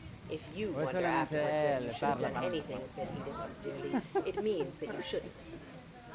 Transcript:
"If you wonder afterwards whether you should have done anything," said Edith austerely, "it means that you shouldn't."